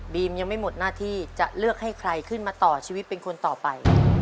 ยังไม่หมดหน้าที่จะเลือกให้ใครขึ้นมาต่อชีวิตเป็นคนต่อไป